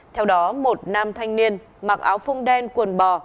theo đó một nam thanh niên mặc áo phung đen quần bò